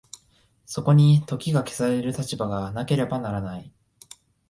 そこに時が消される立場がなければならない。